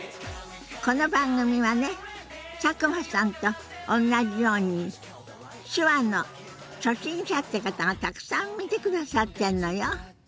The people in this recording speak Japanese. この番組はね佐久間さんとおんなじように手話の初心者って方がたくさん見てくださってんのよ。